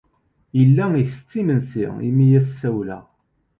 Yella itett imensi mi as-sawleɣ.